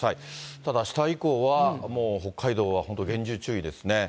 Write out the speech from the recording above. ただ、あした以降はもう北海道は本当、厳重注意ですね。